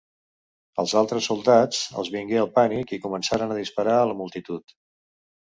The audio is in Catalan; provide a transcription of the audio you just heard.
Als altres soldats els vingué el pànic i començaren a disparar a la multitud.